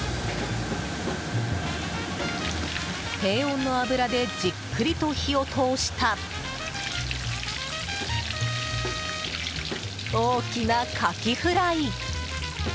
低温の油でじっくりと火を通した大きなカキフライ。